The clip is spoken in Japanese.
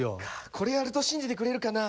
これやると信じてくれるかな？